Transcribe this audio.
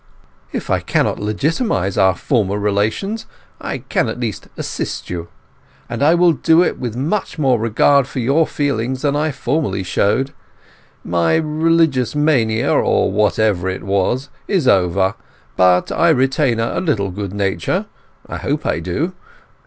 "If I cannot legitimize our former relations at least I can assist you. And I will do it with much more regard for your feelings than I formerly showed. My religious mania, or whatever it was, is over. But I retain a little good nature; I hope I do.